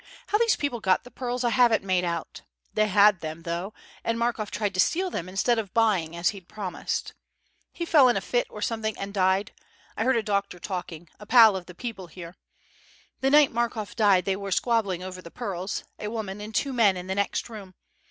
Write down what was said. How these people got the pearls I haven't made out. They had them, though and Markoff tried to steal them instead of buying as he'd promised. He fell in a fit or something, and died. I heard a doctor talking a pal of the people here. The night Markoff died they were squabbling over the pearls, a woman and two men in the next room.